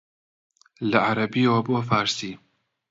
لە عەرەبییەوە بۆ فارسی